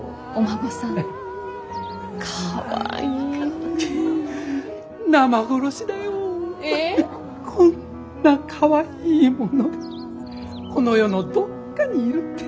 こんなかわいいものがこの世のどっかにいるって分かっちゃった。